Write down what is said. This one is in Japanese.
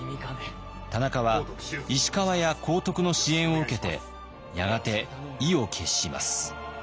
田中は石川や幸徳の支援を受けてやがて意を決します。